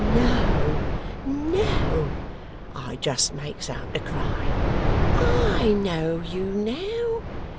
No, no! I just makes out to cry, "I know you now!